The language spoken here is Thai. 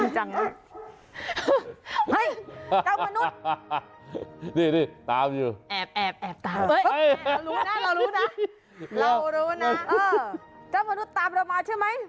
เจ้ามนุษย์ตามเรามาใช่ไหม